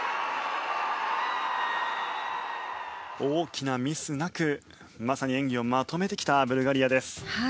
大きなミスなくまさに演技をまとめてきたブルガリアです。